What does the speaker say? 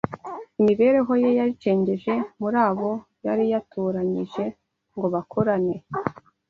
Imibereho ye yayicengeje muri abo yari yatoranyije ngo bakorane